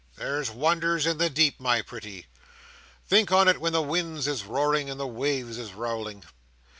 There's wonders in the deep, my pretty. Think on it when the winds is roaring and the waves is rowling.